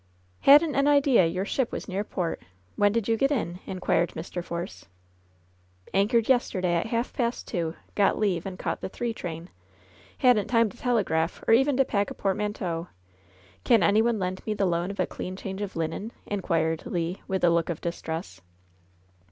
^^Hadn't an idea your ship was near port. When did you get in V^ inquired Mr. Force. LOVE'S BITTEREST CUP 69 "Anchored yesterday at half past two, got leave, and caught the three train. Hadn't time to telegraph, or even to pack a portmanteau. Can any one lend me the loan of a clean change of linen ?" inquired Le, with a look of distress.